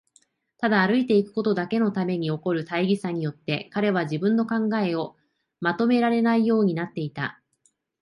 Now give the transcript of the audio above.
ただ歩いていくことだけのために起こる大儀さによって、彼は自分の考えをまとめられないようになっていた。